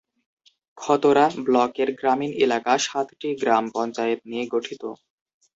খাতড়া ব্লকের গ্রামীণ এলাকা সাতটি গ্রাম পঞ্চায়েত নিয়ে গঠিত।